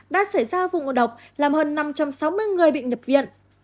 đã xảy ra vụ ngộ độc làm hơn năm trăm sáu mươi người bị nhập viện